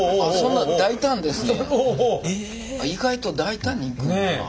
意外と大胆にいくんだな。